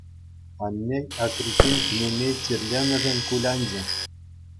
Анне Акриппин кинемей чирленӗшӗн кулянчӗ.